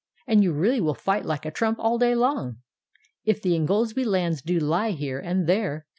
And you really will fight like a trump all day long; — If the Ingoldsby lands do lie here and there.